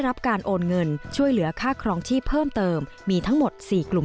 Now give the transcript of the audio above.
รับการโอนเงินช่วยเหลือค่าครองชีพเพิ่มเติมมีทั้งหมด๔กลุ่ม